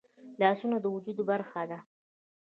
لاسونه د وجود برخه ده